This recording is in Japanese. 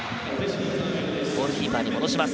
ゴールキーパーに戻します。